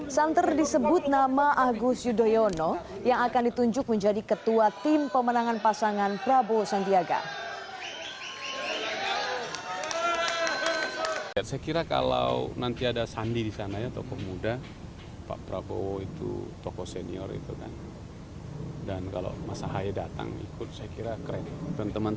santer disebut nama agus yudhoyono yang akan ditunjuk menjadi ketua tim pemenangan pasangan prabowo sandiaga